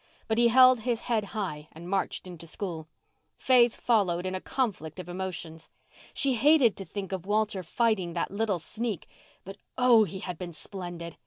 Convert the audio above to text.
But he held his head high and marched into school. Faith followed in a conflict of emotions. She hated to think of Walter fighting that little sneak, but oh, he had been splendid!